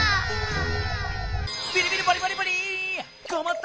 ビリビリバリバリバリッ！